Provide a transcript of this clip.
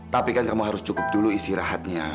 tapi kan kamu harus cukup dulu isi rahatnya